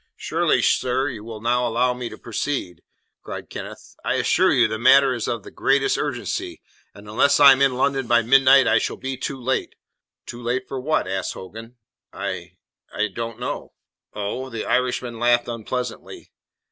"Surely, sir, you will now allow me to proceed," cried Kenneth. "I assure you the matter is of the greatest urgency, and unless I am in London by midnight I shall be too late." "Too late for what?" asked Hogan. "I I don't know." "Oh?" The Irishman laughed unpleasantly.